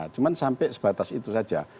cuma sampai sebatas itu saja